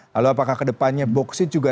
lalu apakah kedepannya boksit juga